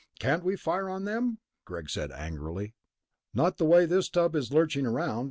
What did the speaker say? "Can't we fire on them?" Greg said angrily. "Not the way this tub is lurching around.